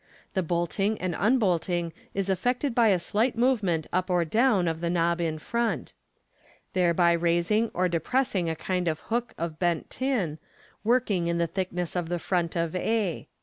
The Fig. 174. Fig. 175. bolting and unbolting is effected by a slight movement up or down of the knob in front, thereby raising or depressing a kind of hook of bent tin, working in the thickness of the front of a.